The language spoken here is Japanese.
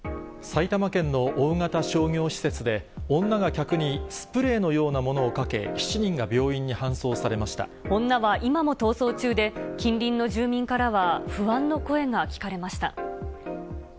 埼玉県の大型商業施設で、女が客にスプレーのようなものをかけ、７人が病院に搬送されまし女は今も逃走中で、近隣の住民からは、不安の声が聞かれました。